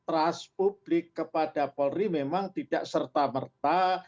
trust publik kepada polri memang tidak serta merta